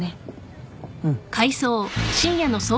うん。